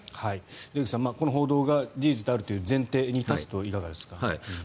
出口さんこの報道が事実だという前提に立つといかがですか？